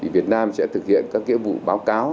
việt nam sẽ thực hiện các nghĩa vụ báo cáo